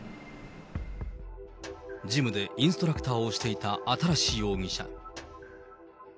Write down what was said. ジムでインストラクターをしていた新容疑者。